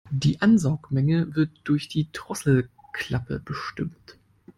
Die Ansaugmenge wird durch die Drosselklappe bestimmt.